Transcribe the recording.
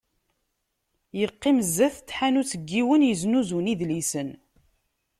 Yeqqim sdat n tḥanut n yiwen yesnuzun idlisen.